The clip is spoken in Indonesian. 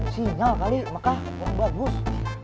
sinyal kali makkah orang bagus